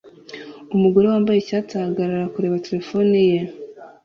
Umugore wambaye icyatsi ahagarara kureba terefone ye